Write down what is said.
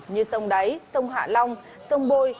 như sông đáy sông hạ long sông bôi